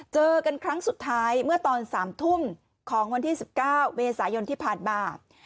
เจอกันครั้งสุดท้ายเมื่อตอน๓ทุ่มของวันที่๑๙เมษายนที่ผ่านมา